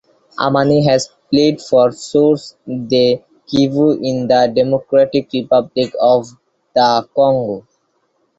Amani has played for Source de Kivu in the Democratic Republic of the Congo.